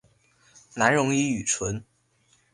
难溶于乙醇。